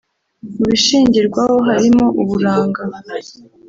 Mu bishingirwaho harimo Uburanga